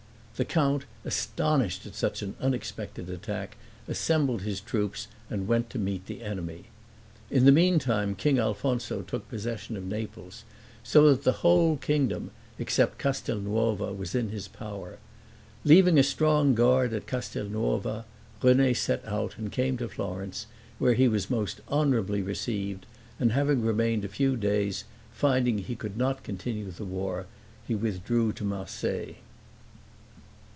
The count, astonished at such an unexpected attack, assembled his troops, and went to meet the enemy. In the meantime, King Alfonso took possession of Naples, so that the whole kingdom, except Castelnuova, was in his power. Leaving a strong guard at Castelnuova René set out and came to Florence, where he was most honorably received; and having remained a few days, finding he could not continue the war, he withdrew to Marseilles.